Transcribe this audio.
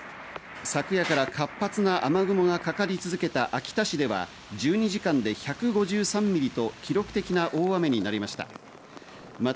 昨夜から活発な雨雲がかかり続けた秋田市では１２時間で１５３ミリと記録的な大雨になりました。